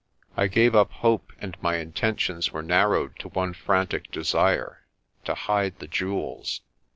I gave up hope and my intentions were narrowed to one frantic desire to hide the jewels.